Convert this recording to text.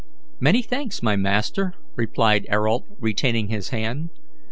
"Many thanks, my master," replied Ayrault, retaining his hand.